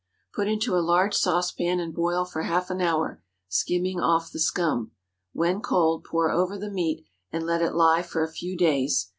Put into a large saucepan and boil for half an hour, skimming off the scum. When cold, pour over the meat, and let it lie for a few days.